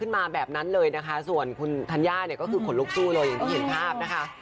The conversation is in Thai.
ให้ดับนะคะแล้วเวทีก็แบบว่า